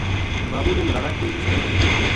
بابو نے مراڑا کی اس کے ماری